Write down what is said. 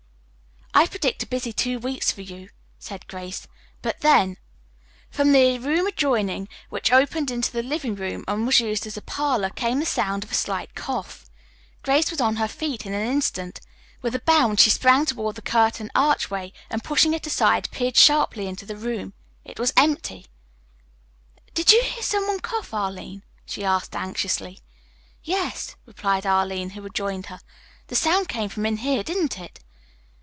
"I predict a busy two weeks for you," said Grace, "but then " From the room adjoining, which opened into the living room and was used as a parlor, came the sound of a slight cough. Grace was on her feet in an instant. With a bound she sprang toward the curtained archway and, pushing it aside, peered sharply into the room. It was empty. "Did you hear some one cough, Arline?" she asked anxiously. "Yes," replied Arline, who had joined her. "The sound came from in here, didn't it?"